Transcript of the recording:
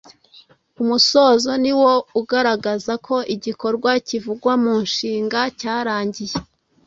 Umusozo ni wo ugaragaza ko igikorwa kivugwa mu nshinga cyarangiye